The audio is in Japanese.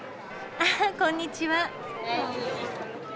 あこんにちは。